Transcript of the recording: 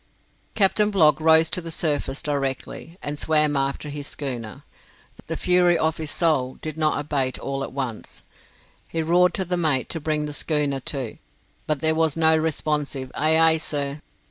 Captain Blogg rose to the surface directly and swam after his schooner. The fury of his soul did not abate all at once. He roared to the mate to bring the schooner to, but there was no responsive "Aye, aye, sir."